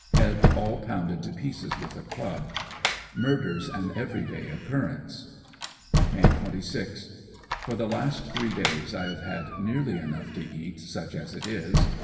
Head all pounded to pieces with a club. Murders an every day occurrence. May 26, —For the last three days I have had nearly enough to eat such as it is.